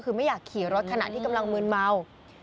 คือไม่อยากขี่รถขณะที่กำลังมืนเมา